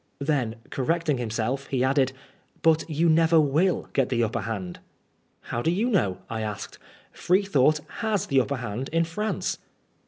Then, correcting himself, he added :" But you never will get the upper hand." " How do you know ?" I asked. " Freethought has the upper hand in France."